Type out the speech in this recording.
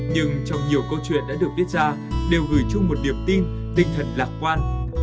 nhưng trong nhiều câu chuyện đã được viết ra đều gửi chung một niềm tin tinh thần lạc quan